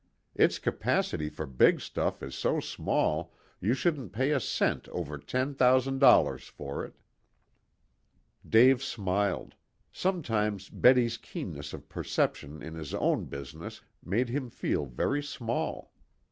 "Its capacity for big stuff is so small you shouldn't pay a cent over ten thousand dollars for it." Dave smiled. Sometimes Betty's keenness of perception in his own business made him feel very small.